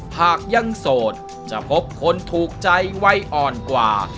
หากยังโสดจะพบคนถูกใจวัยอ่อนกว่า